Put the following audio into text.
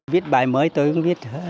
viết bài mới tôi cũng viết